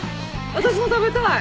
私も食べたい！